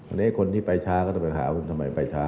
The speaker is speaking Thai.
อันนี้คนที่ไปช้าก็ต้องไปหาว่าทำไมไปช้า